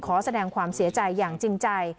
ขอแสดงความเสียใจอย่างจริงใจ